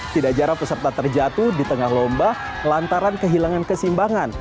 tidak jarang peserta terjatuh di tengah lomba lantaran kehilangan kesimbangan